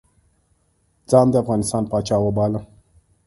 ځان د افغانستان پاچا وباله.